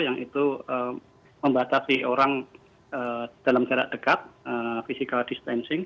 yang itu membatasi orang dalam jarak dekat physical distancing